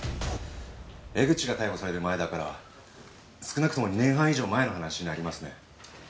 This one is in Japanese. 江口が逮捕される前だから少なくとも２年半以上前の話になりますね。